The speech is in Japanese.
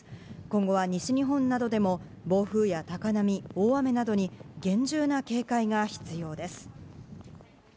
今後は西日本などでも、暴風や高波、大雨などに厳重な警戒が必要です。